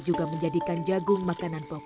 sehingga mereka dapat memiliki makanan yang lebih baik